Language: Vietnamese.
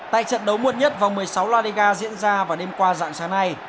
tại trận đấu muộn nhất vòng một mươi sáu la liga diễn ra vào đêm qua dạng sáng nay